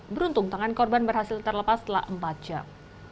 beruntung tangan korban berhasil terlepas setelah empat jam